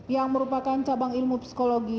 yang merupakan cabang ilmu psikologi